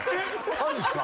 ・あるんすか？